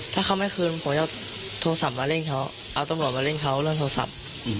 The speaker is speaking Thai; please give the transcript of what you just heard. ถ้าเขาไม่คืนผมจะโทรศัพท์มาเล่นเขาเอาตำรวจมาเล่นเขาเรื่องโทรศัพท์